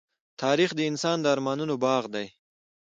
تاریخ د انسان د ارمانونو باغ دی.